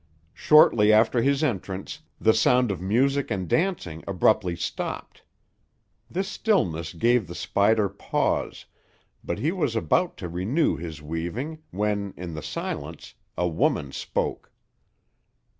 Shortly after his entrance the sound of music and dancing abruptly stopped. This stillness gave the spider pause, but he was about to renew his weaving, when, in the silence, a woman spoke.